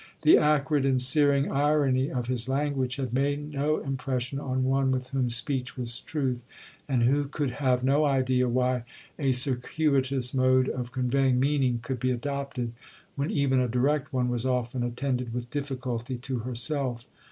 The acrid and searing irony of his language had made no impression on one with whom 'speech was truth,' and who could have no idea why a circuitous mode of conveying meaning could be adopted, when even a direct one was often attended with difficulty to herself.